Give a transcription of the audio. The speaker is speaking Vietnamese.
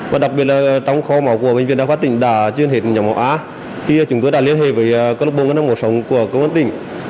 và đặc biệt là trong khóa máu của bệnh viện đại hóa tỉnh đã truyền hết nhóm máu a khi chúng tôi đã liên hệ với câu lạc bộ ngân hàng máu sống của công an hà tĩnh